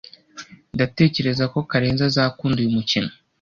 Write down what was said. Ndatekereza ko Karenzi azakunda uyu mukino.